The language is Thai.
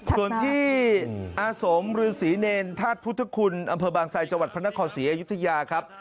ส่วนที่อาสมฤษีเนรธาตุพุทธคุณอำเภอบางไซดจังหวัดพระนครศรีอยุธยาครับ